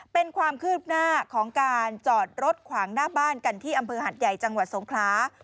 เป็นความคืบหน้าของการจอดรถขวางหน้าบ้านกันที่อำเภอหัดใหญ่จังหวัดสงครา